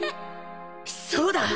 そうだ